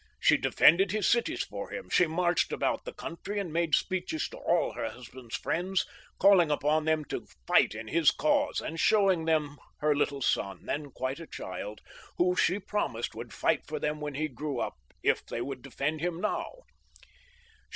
She defended his cities for hinfi ; she marched about the country and made speeches to all her husband's friends, calling upon them to fight in his cause, and showing them her little son, then quite a child, who, she promised, should fight for them when he grew up, if they would defend him now.